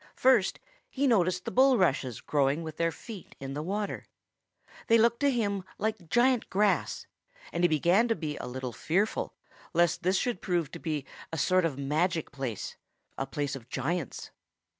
First he noticed the bulrushes growing with their feet in the water. They looked to him like giant grass, and he began to be a little fearful lest this should prove to be a sort of magic place a place of giants.